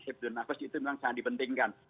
itu memang sangat dipentingkan